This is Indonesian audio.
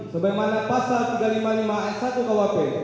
sebagai mana pasal tiga ratus lima puluh lima s satu kwp